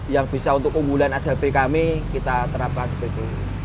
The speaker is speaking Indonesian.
yang bisa untuk keunggulan ajab kami kita terapkan seperti itu